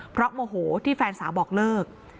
เพราะโมโหที่แฟนสาวบอกเลิก